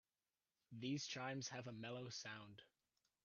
These chimes have a mellow sound.